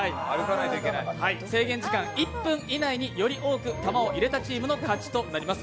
制限時間１分以内により多く玉を入れたチームの勝ちとなります。